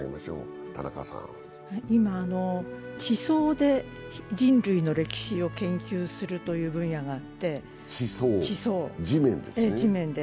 今、地層で人類の歴史を研究するという分野があって地層、地面で。